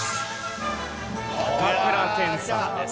高倉健さんです。